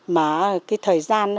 mà cái thời gian